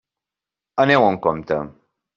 Aneu amb compte.